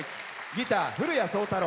ギター、古屋創太郎。